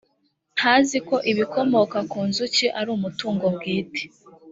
ntazi ko ibikomoka ku nzuki ari umutungo bwite